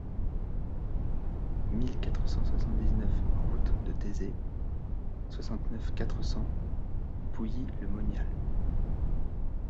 mille quatre cent soixante-dix-neuf route de Theizé, soixante-neuf, quatre cents, Pouilly-le-Monial